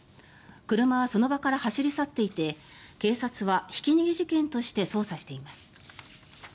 車はその場から走り去っていて警察は、ひき逃げ事件として捜査しています。